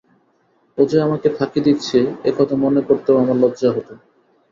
ও যে আমাকে ফাঁকি দিচ্ছে এ কথা মনে করতেও আমার লজ্জা হত।